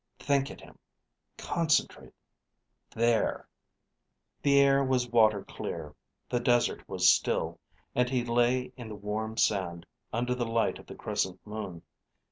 Think at him, concentrate.... There.... The air was water clear. The desert was still, and he lay in the warm sand, under the light of the crescent moon.